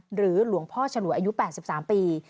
หรือหลวงพ่อฉลวยอายุ๘๓ปี